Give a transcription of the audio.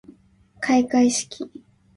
かいかいしき